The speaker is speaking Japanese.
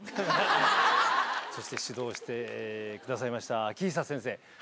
そして指導してくださいました秋久先生。